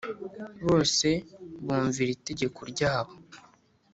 bose bumviraga itegeko ryabo